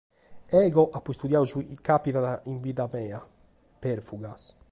Deo apo istudiadu su chi càpitat in bidda mia, Pèrfugas.